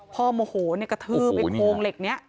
โมโหกระทืบไอ้โครงเหล็กนี้